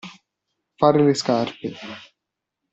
Fare le scarpe.